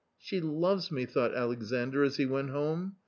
^" She loves me," thought Alexandr, as he went home.